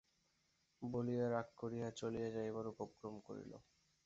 বলিয়া রাগ করিয়া চলিয়া যাইবার উপক্রম করিল।